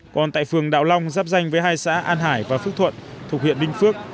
còn tại phường đạo long giáp danh với hai xã an hải và phước thuận thuộc huyện đinh phước